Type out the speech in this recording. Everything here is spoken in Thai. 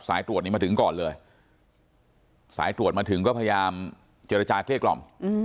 สายตรวจนี้มาถึงก่อนเลยสายตรวจมาถึงก็พยายามเจรจาเกลี้ยกล่อม